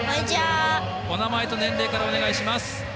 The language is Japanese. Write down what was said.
お名前と年齢からお願いします。